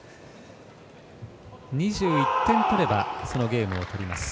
２１点取ればそのゲームを取ります。